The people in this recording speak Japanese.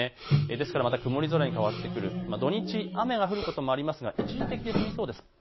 ですから曇り空に変わってくる、土日、雨も降ることもありますが一時的で済みそうです。